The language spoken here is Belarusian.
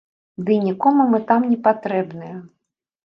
Дый нікому мы там не патрэбныя.